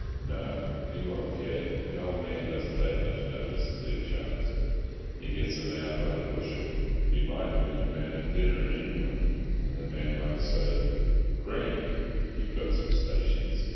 "No, he won't care. The old man doesn't take much notice of new chums—he gets them out by the bushel. He might meet a man at dinner in England and the man might say, "Grant, you've got some stations.